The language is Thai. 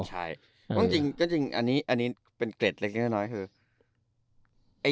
จริงอันนี้เป็นเกร็ดเล็กน้อยคือ